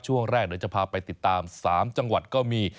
ช่วงแรกเดี๋ยวจะพาไปติดตาม๓จังหวัดก็มี